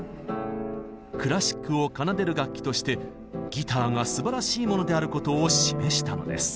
クラシックを奏でる楽器としてギターがすばらしいものであることを示したのです。